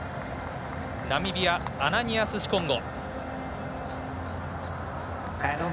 ナミビア、アナニアス・シコンゴ。